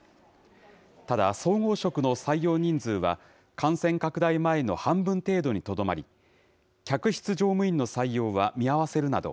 ただ、総合職の採用人数は感染拡大前の半分程度にとどまり、客室乗務員の採用は見合わせるなど、